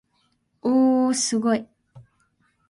おおおすごい